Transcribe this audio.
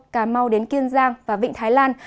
cà mau đến kiên giang và vịnh thái lan